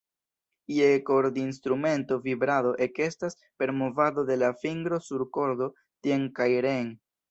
Je kordinstrumento vibrado ekestas per movado de la fingro sur kordo tien kaj reen.